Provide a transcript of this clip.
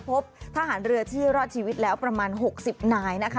พบทหารเรือที่รอดชีวิตแล้วประมาณ๖๐นายนะคะ